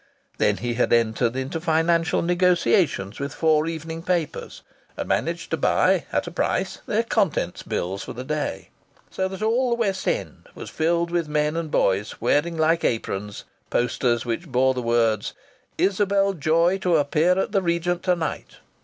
Then he had entered into financial negotiations with four evening papers and managed to buy, at a price, their contents bills for the day. So that all the West End was filled with men and boys wearing like aprons posters which bore the words: "Isabel Joy to appear at the Regent to night."